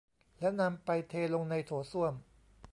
แล้วนำไปเทลงในโถส้วม